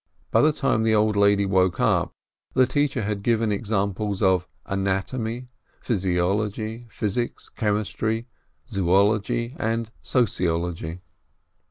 By the time the old lady woke up, the teacher had given examples of anatomy, physiology, physics, chemistry, zoology, and sociology.